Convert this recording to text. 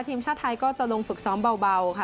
ทีมชาติไทยก็จะลงฝึกซ้อมเบาค่ะ